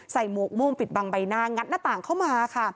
หมวกม่วงปิดบังใบหน้างัดหน้าต่างเข้ามาค่ะ